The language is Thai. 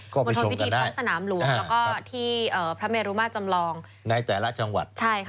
ก็ไปชมกันได้